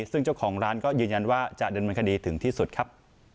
ซึ่งเจ้าของร้านก็ยืนยันว่าจะดำเนินคดีถึงที่สุดครับ